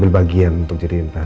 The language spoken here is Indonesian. silahkan mbak mbak